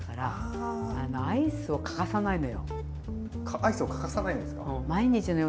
アイスを欠かさないんですか？